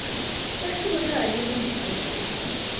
ރަށުގެ ހުރިހާ ރައްޔިތުންހެން އެއްވެ ތިވި